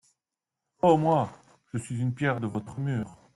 Oh, moi, je suis une pierre de votre mur.